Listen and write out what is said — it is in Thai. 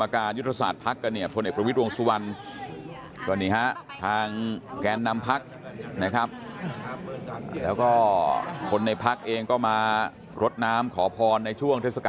ก่อนจะผช